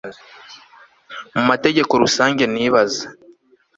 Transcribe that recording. Mu mategeko rusange nibaza